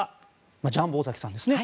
ジャンボ尾崎さんですね。